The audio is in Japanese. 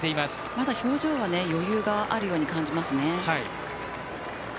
まだ表情には余裕があるように感じます。